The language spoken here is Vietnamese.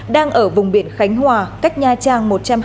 đang ở vùng biển khánh hòa cách nha trang